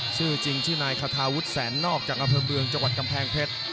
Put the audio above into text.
ชื่อจริงชื่อนายคาทาวุฒิแสนนอกจากอำเภอเมืองจังหวัดกำแพงเพชร